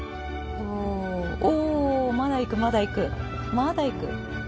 おまだいくまだいくまだいく。